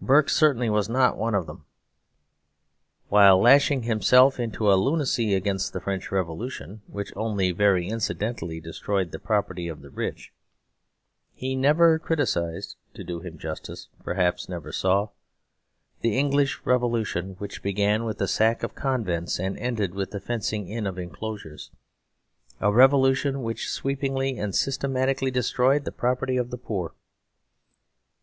Burke certainly was not one of them. While lashing himself into a lunacy against the French Revolution, which only very incidentally destroyed the property of the rich, he never criticised (to do him justice, perhaps never saw) the English Revolution, which began with the sack of convents, and ended with the fencing in of enclosures; a revolution which sweepingly and systematically destroyed the property of the poor.